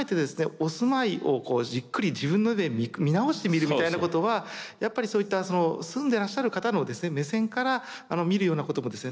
お住まいをじっくり自分で見直してみるみたいなことはやっぱりそういった住んでらっしゃる方の目線から見るようなこともですね